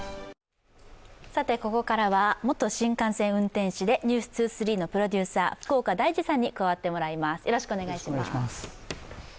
ここからは元新幹線運転士で「ｎｅｗｓ２３」のプロデューサー福岡大司さんに加わってもらいます。